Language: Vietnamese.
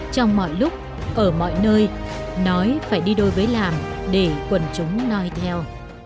trong mọi lúc ở mọi nơi nói phải đi đôi với làm để quần chúng nói theo